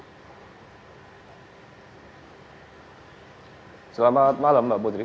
selamat malam mbak putri